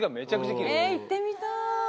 え行ってみたい。